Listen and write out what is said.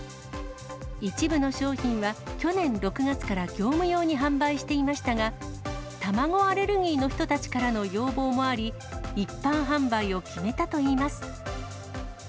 一部の商品は、去年６月から業務用に販売していましたが、卵アレルギーの人たちからの要望もあり、一般販売を決めたといいます。